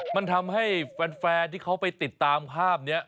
มันทำให้แฟนที่เขาไปติดตามภาพนี้